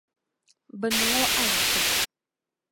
Bɛ niŋ o alaka.